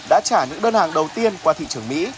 đã trả những đơn hàng đầu tiên qua thị trường mỹ